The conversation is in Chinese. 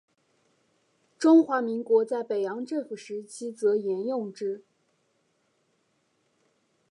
中华民国在北洋政府时期则沿用之。